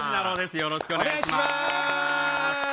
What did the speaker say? よろしくお願いします。